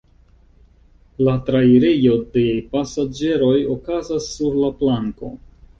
La trairejo de pasaĝeroj okazas sur la planko.